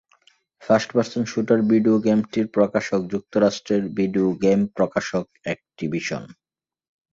First person shooter video গেমটির প্রকাশক যুক্তরাষ্ট্রের ভিডিও গেম প্রকাশক অ্যাকটিভিশন।